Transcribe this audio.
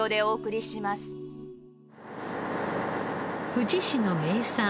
富士市の名産